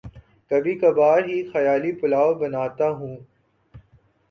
کبھی کبھار ہی خیالی پلاو بناتا ہوں